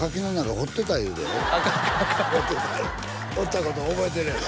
放ったこと覚えてるやろ？